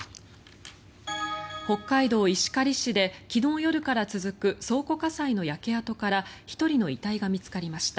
北海道石狩市で、昨日夜から続く倉庫火災の焼け跡から１人の遺体が見つかりました。